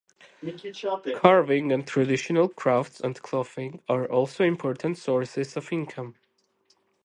Carving and traditional crafts and clothing are also important sources of income.